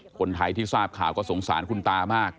คนไทยที่ทราบข่าวก็สงสารคุณตามาก